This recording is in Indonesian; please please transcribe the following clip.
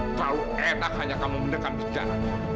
terlalu enak hanya kamu mendekat bidang